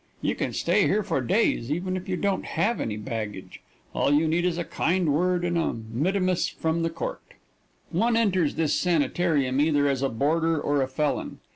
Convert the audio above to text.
You can stay here for days, even if you don't have any baggage. All you need is a kind word and a mittimus from the court. One enters this sanitarium either as a boarder or a felon.